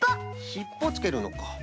しっぽつけるのか。